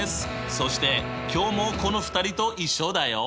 そして今日もこの２人と一緒だよ。